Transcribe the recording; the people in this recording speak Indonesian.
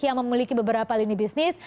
yang memiliki beberapa lini bisnis